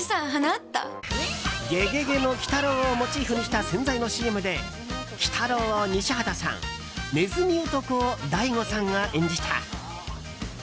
「ゲゲゲの鬼太郎」をモチーフにした洗剤のＣＭで鬼太郎を西畑さんねずみ男を大悟さんが演じた。